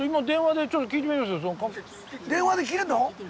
電話で聞けんの？